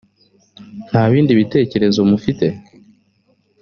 nta bindi bitekerezo mufite